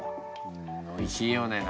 おいしいよね。